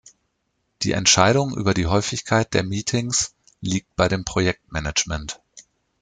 Die Entscheidung über die Häufigkeit der Meetings liegt bei dem Projektmanagement.